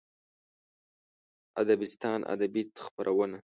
ادبستان ادبي خپرونه